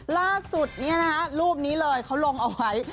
ล่าสุดเนี่ยนะฮะรูปนี้เลยเค้าลงเอาไว้